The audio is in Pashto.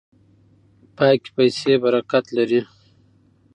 پاکې پیسې برکت لري.